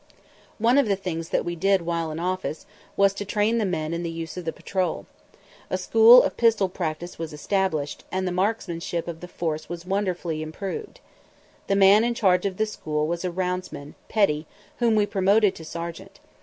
One of the things that we did while in office was to train the men in the use of the pistol. A school of pistol practice was established, and the marksmanship of the force was wonderfully improved. The man in charge of the school was a roundsman, Petty, whom we promoted to sergeant.